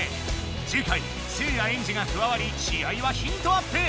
次回せいやエンジが加わり試合はヒートアップ！